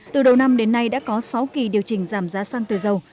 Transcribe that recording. từ đầu năm đến nay đã có sáu kỳ điều chỉnh giảm giá xăng từ dầu